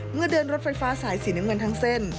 เมื่อเดินรถไฟฟ้าสายสีน้ำเงินทั้งเส้น